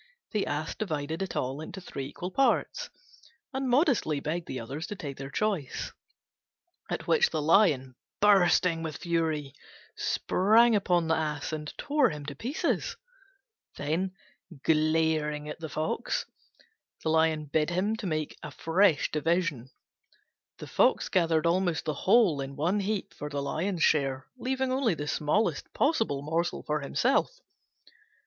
The Ass divided it all into three equal parts, and modestly begged the others to take their choice; at which the Lion, bursting with fury, sprang upon the Ass and tore him to pieces. Then, glaring at the Fox, he bade him make a fresh division. The Fox gathered almost the whole in one great heap for the Lion's share, leaving only the smallest possible morsel for himself.